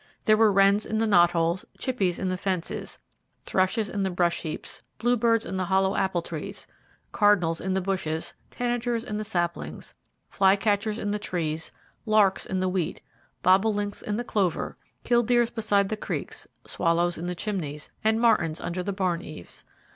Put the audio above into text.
There were wrens in the knot holes, chippies in the fences, thrushes in the brush heaps, bluebirds in the hollow apple trees, cardinals in the bushes, tanagers in the saplings, fly catchers in the trees, larks in the wheat, bobolinks in the clover, killdeers beside the creeks, swallows in the chimneys, and martins under the barn eaves.